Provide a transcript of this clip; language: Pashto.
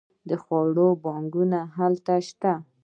د خوړو بانکونه هلته شته.